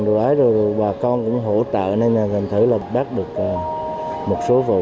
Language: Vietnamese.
rồi bà con cũng hỗ trợ nên là thành thử là bắt được một số vụ